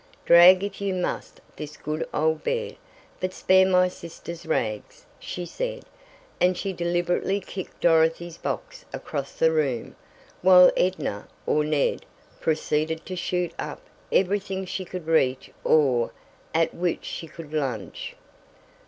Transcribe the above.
'Drag if you must this good old bed, but spare my sister's rags, she said,'" and she deliberately kicked Dorothy's box across the room, while Edna, or Ned, proceeded to "shoot up" everything she could reach or at which she could lunge.